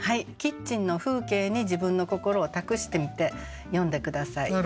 キッチンの風景に自分の心を託してみて詠んで下さい。